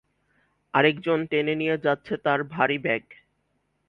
আরেকজন টেনে নিয়ে যাচ্ছে তার ভারী ব্যাগ।